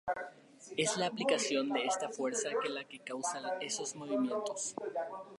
Es la aplicación de esta fuerza la que causa esos movimientos.